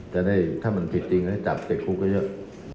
แต่ถ้ามันผิดจริงจะจับเจ็บคลุกก็เยอะ